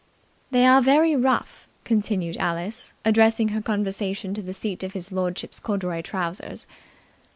"They are very rough," continued Alice, addressing her conversation to the seat of his lordship's corduroy trousers.